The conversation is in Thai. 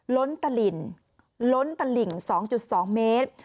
ล้นตลิ่น๒๒เมตร